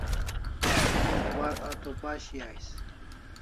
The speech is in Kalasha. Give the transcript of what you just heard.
Ek bar a to pashi ais